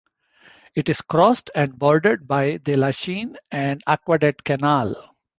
It is crossed and bordered by the Lachine and Aqueduct Canal.